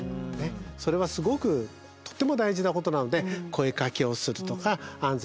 それはすごくとても大事なことなので声かけをするとか安全な場所に移す。